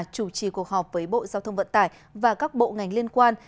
chủ trì cuộc họp với bộ giao thông vận tải và các bộ ngành liên quan